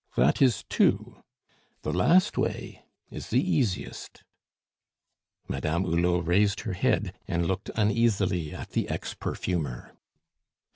That is two. The last way is the easiest " Madame Hulot raised her head, and looked uneasily at the ex perfumer.